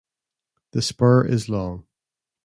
The spur is long.